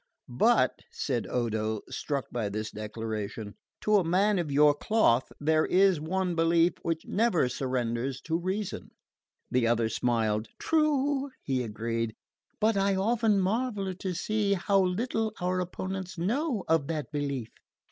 "But," said Odo, struck with this declaration, "to a man of your cloth there is one belief which never surrenders to reason." The other smiled. "True," he agreed; "but I often marvel to see how little our opponents know of that belief.